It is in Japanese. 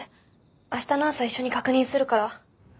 明日の朝一緒に確認するから。